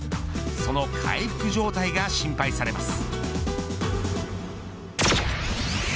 その回復状態が心配されます。